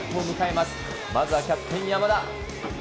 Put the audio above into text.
まずはキャプテン、山田。